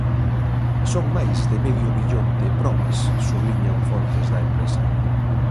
Son máis de medio millón de probas, subliñan fontes da empresa.